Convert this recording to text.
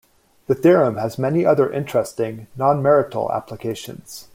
The theorem has many other interesting "non-marital" applications.